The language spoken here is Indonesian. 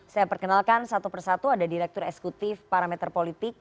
saya perkenalkan satu persatu ada direktur eksekutif parameter politik